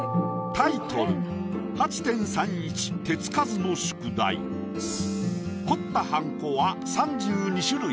タイトル彫ったはんこは３２種類。